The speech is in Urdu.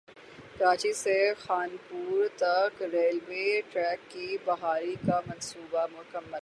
کراچی سے خانپور تک ریلوے ٹریک کی بحالی کا منصوبہ مکمل